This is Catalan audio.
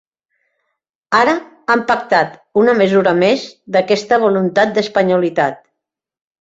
Ara han pactat una mesura més d’aquesta voluntat d’espanyolitat.